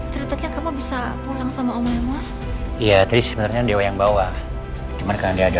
ceritanya kamu bisa pulang sama om lemos iya tadi sebenarnya dewa yang bawa cuman karena ada